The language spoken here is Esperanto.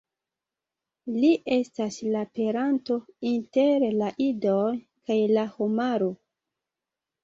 Li estas la peranto inter la dioj kaj la homaro.